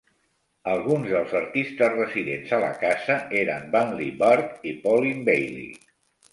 Alguns dels artistes residents a la casa eren Vanley Burke i Pauline Bailey.